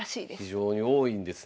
非常に多いんですね。